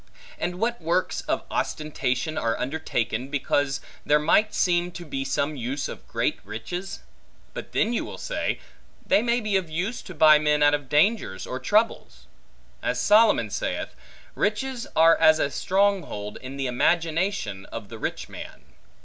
and what works of ostentation are undertaken, because there might seem to be some use of great riches? But then you will say, they may be of use, to buy men out of dangers or troubles. As Solomon saith, Riches are as a strong hold, in the imagination of the rich man.